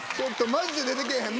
マジで出てけぇへん。